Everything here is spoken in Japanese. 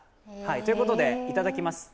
とういことで、いただきます。